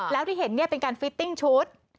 แล้วที่เห็นเป็นการฟิตติ้งชุด